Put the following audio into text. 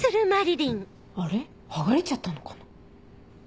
剥がれちゃったのかな。